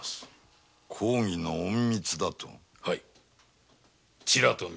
公儀の隠密だと！？